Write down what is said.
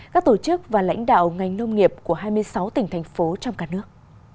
các tổ chức và lãnh đạo ngành nông nghiệp của hai mươi sáu tỉnh thành phố trong cả nước